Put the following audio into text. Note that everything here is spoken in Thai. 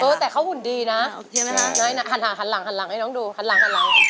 เออแต่เขาหุ่นดีนะหันหลังให้น้องดูหันหลัง